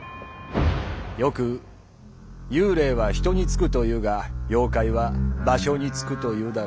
よく幽霊は「人」に憑くというが妖怪は「場所」に憑くというだろ。